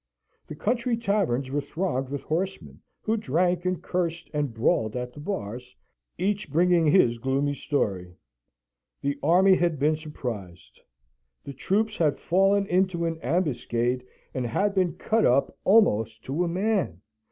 The country taverns were thronged with horsemen, who drank and cursed and brawled at the bars, each bringing his gloomy story. The army had been surprised. The troops had fallen into an ambuscade, and had been cut up almost to a man.